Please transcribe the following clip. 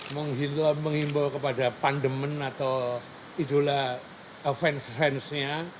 menghimbau kepada pandemi atau idola fans fansnya